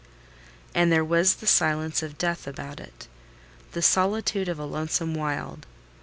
And there was the silence of death about it: the solitude of a lonesome wild.